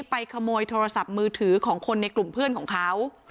ไปขโมยโทรศัพท์มือถือของคนในกลุ่มเพื่อนของเขา